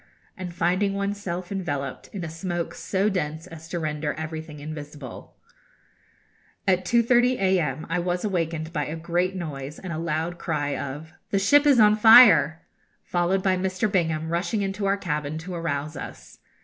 and finding oneself enveloped in a smoke so dense as to render everything invisible. [Illustration: The Yacht on Fire.] At 2.30 a.m. I was awakened by a great noise and a loud cry of 'The ship is on fire!' followed by Mr. Bingham rushing into our cabin to arouse us.